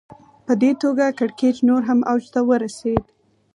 په دې توګه کړکېچ نور هم اوج ته ورسېد